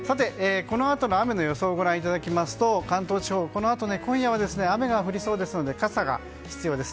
さて、このあとの雨の予想をご覧いただきますと関東地方このあと今夜は雨が降りそうなので傘が必要です。